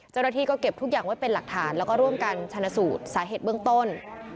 เจ้าหน้าที่ก็เก็บทุกอย่างไว้เป็นหลักฐานแล้วก็ร่วมกันชนะสูตรสาเหตุเบื้องต้น